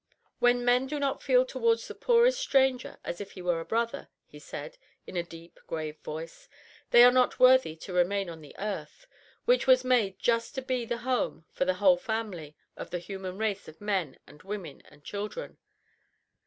"When men do not feel towards the poorest stranger as if he were a brother," he said, in a deep, grave voice, "they are not worthy to remain on the earth, which was made just to be the home for the whole family of the human race of men and women and children."